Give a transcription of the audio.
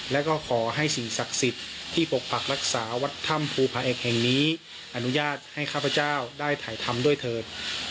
แล้วก็ขอให้สิ่งศักดิ์สิทธิ์ที่ปกปักรักษาวัดถ้ำภูผาแอกแห่งนี้อนุญาตให้ข้าพเจ้าได้ถ่ายทำด้วยเถิด